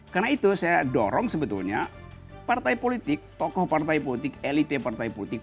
karena itu saya dorong sebetulnya partai politik tokoh partai politik elite partai politik